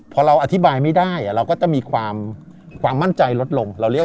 พอเราอธิบายไม่ได้เราก็จะมีความมั่นใจลดลง